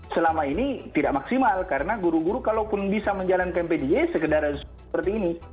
selama ini tidak maksimal karena guru guru kalaupun bisa menjalankan pj sekedar seperti ini